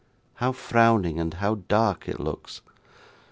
How frowning and how dark it looks!